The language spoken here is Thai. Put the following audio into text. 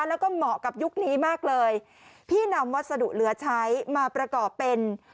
แล้วก็เหมาะกับยุคนี้มากเลยที่นำวัสดุเหลือใช้มาประกอบเป็น